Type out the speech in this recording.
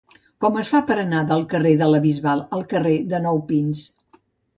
Com es fa per anar del carrer de la Bisbal al carrer de Nou Pins?